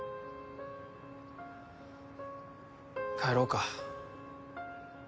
帰ろうか。